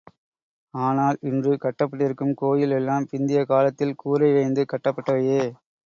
ஆனால் இன்று கட்டப்பட்டிருக்கும் கோயில் எல்லாம் பிந்திய காலத்தில் கூறை வேய்ந்து கட்டப்பட்டவையே.